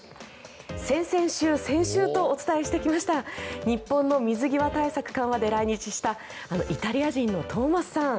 先々週、先週とお伝えしてきました日本の水際対策緩和で来日したあのイタリア人のトーマスさん。